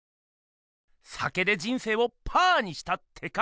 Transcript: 酒で人生をパーにしたってか？